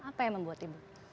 apa yang membuat ibu